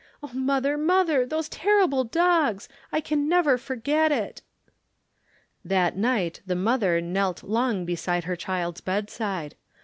Oh, mother, mother, those terrible dogs. I can never forget it." That night the mother knelt long beside her child's bedside.